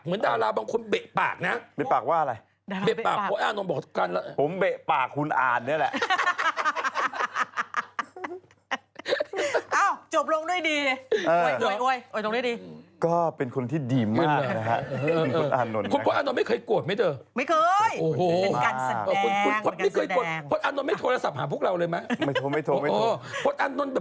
เหมือนดาราคุณเป็นคนเบ๊ะปากนะ